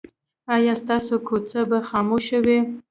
ایا ستاسو کوڅه به خاموشه وي؟